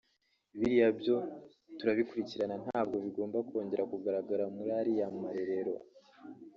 biriya byo turabikurikirana ntabwo bigomba kongera kugaragara muri ariya marerero